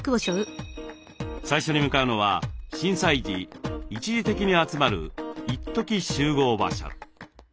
最初に向かうのは震災時一時的に集まる一時集合場所。